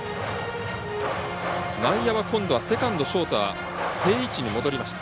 内野は今度はセカンド、ショートは定位置に戻りました。